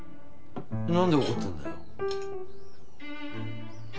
なんで怒ってるんだよ？